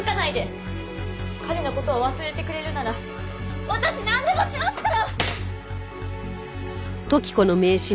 彼の事を忘れてくれるなら私なんでもしますから！